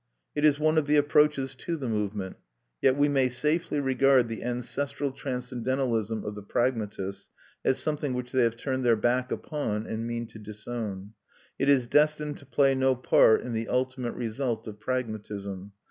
It is one of the approaches to the movement; yet we may safely regard the ancestral transcendentalism of the pragmatists as something which they have turned their back upon, and mean to disown. It is destined to play no part in the ultimate result of pragmatism.